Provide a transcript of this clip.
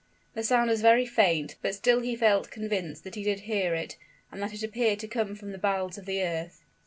The sound was very faint: but still he felt convinced that he did hear it, and that it appeared to come from the bowels of the earth.